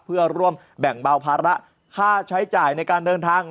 เพื่อร่วมแบ่งเบาภาระค่าใช้จ่ายในการเดินทาง